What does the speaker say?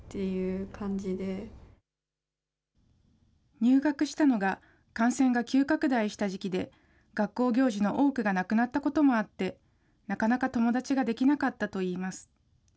入学したのが感染が急拡大した時期で、学校行事の多くがなくなったこともあって、なかなか友達ができなかったといいます。